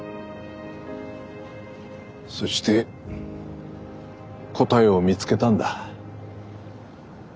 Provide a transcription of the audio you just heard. そして答えを見つけたんだ。